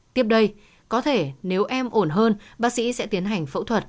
tiếp đây có thể nếu em ổn hơn bác sĩ sẽ tiến hành phẫu thuật